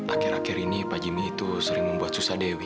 akhir akhir ini pak jimmy itu sering membuat susah dewi